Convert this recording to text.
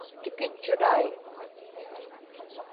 tikitchut ai